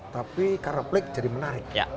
tapi karena black jadi menarik